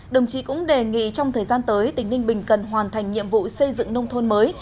đồng chí cũng đề nghị trong thời gian tới tỉnh ninh bình cần hoàn thành nhiệm vụ xây dựng nông thôn mới